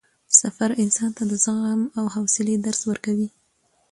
سفر انسان ته د زغم او حوصلې درس ورکوي